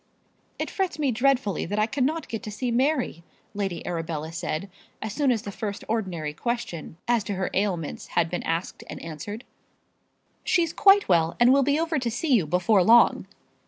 "It frets me dreadfully that I cannot get to see Mary," Lady Arabella said, as soon as the first ordinary question as to her ailments had been asked and answered. "She's quite well and will be over to see you before long."